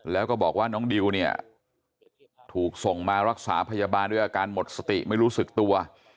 แล้วก็บอกว่าน้องดิวเนี่ยถูกส่งมารักษาพยาบาลด้วยอาการหมดสติไม่รู้สึกตัว